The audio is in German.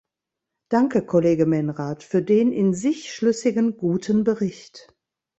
Danke, Kollege Menrad, für den in sich schlüssigen, guten Bericht.